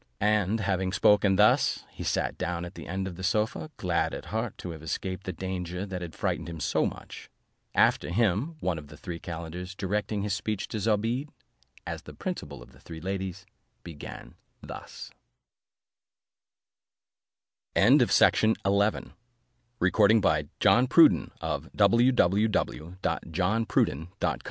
And having spoken thus, he sat down at the end of the sofa, glad at heart to have escaped the danger that had frightened him so much. After him, one of the three calenders directing his speech to Zobeide, as the principal of the three ladies, began thus: The History of the First Calender.